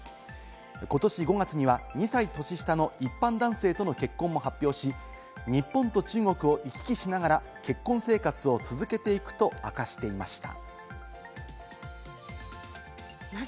ことし５月には２歳年下の一般男性との結婚も発表し、日本と中国を行き来しながら結婚生活を続けていくと明かしていました。